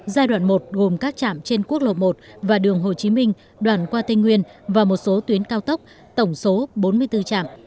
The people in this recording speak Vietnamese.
giai đoạn một gồm các trạm trên quốc lộ một và đường hồ chí minh đoàn qua tây nguyên và một số tuyến cao tốc tổng số bốn mươi bốn trạm